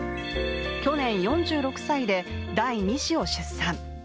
去年、４６歳で第二子を出産。